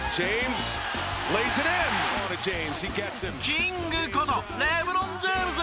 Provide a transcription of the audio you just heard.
キングことレブロン・ジェームズ。